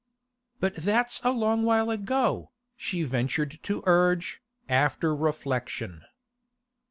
'But that's a long while ago,' she ventured to urge, after reflection.